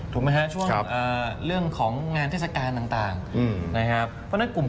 ถูกไหมครับช่วงเรื่องของงานเทศกาลต่างนะครับ